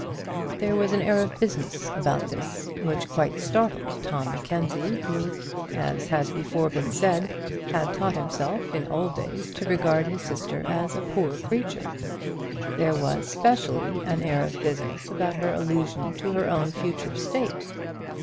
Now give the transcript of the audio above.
There was an air of business about this which quite startled Tom Mackenzie, who, as has before been said, had taught himself in old days to regard his sister as a poor creature. There was specially an air of business about her allusion to her own future state.